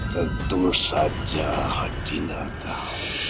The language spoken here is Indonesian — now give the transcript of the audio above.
tentu saja hadinatau